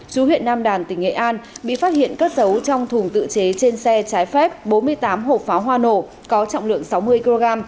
chú huyện nam đàn tỉnh nghệ an bị phát hiện cất dấu trong thùng tự chế trên xe trái phép bốn mươi tám hộp pháo hoa nổ có trọng lượng sáu mươi kg